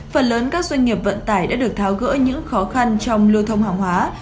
phần lớn các doanh nghiệp vận tải đã được tháo gỡ những khó khăn trong lưu thông hàng hóa